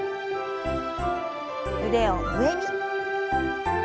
腕を上に。